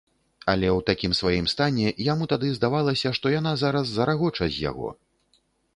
Але ў такім сваім стане яму тады здавалася, што яна зараз зарагоча з яго.